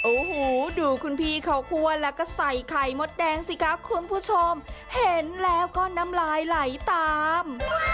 โอ้โหดูคุณพี่เขาคั่วแล้วก็ใส่ไข่มดแดงสิคะคุณผู้ชมเห็นแล้วก็น้ำลายไหลตาม